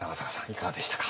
いかがでしたか？